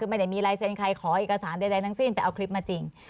ไม่ได้มีไลเซ็นช่วยขออักษรอะไรแดดทั้งสิ้นได้เอาคลิปมาจริง